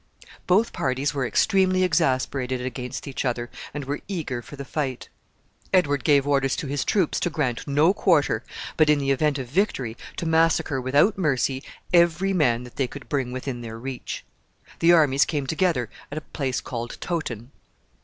Both parties were extremely exasperated against each other, and were eager for the fight. Edward gave orders to his troops to grant no quarter, but, in the event of victory, to massacre without mercy every man that they could bring within their reach. The armies came together at a place called Towton.